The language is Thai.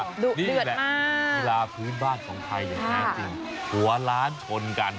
ดูเดือดมากนี่แหละธีระพื้นบ้านของไทยอย่างแน่จริงหัวล้านชนกัน